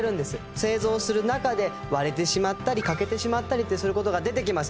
製造する中で割れてしまったり欠けてしまったりってすることが出てきます